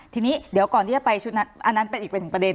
ทีนี้เดี๋ยวก่อนที่จะไปชุดนั้นอันนั้นเป็นอีกเป็นหนึ่งประเด็น